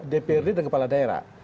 dprd dan kepala daerah